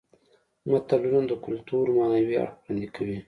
متلونه د کولتور معنوي اړخ وړاندې کوي